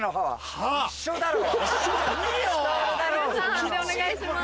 判定お願いします。